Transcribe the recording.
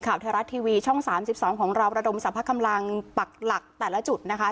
ข่าวไทยรัฐทีวีช่อง๓๒ของเราระดมสรรพกำลังปักหลักแต่ละจุดนะคะ